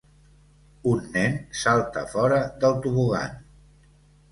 Un nen salta fora del tobogan.